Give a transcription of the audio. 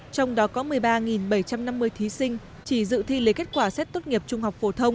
trong đó có một mươi ba bảy trăm năm mươi thí sinh chỉ dự thi lấy kết quả xét tốt nghiệp trung học phổ thông